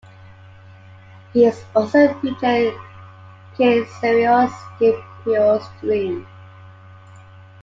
He is also featured in Cicero's Scipio's Dream.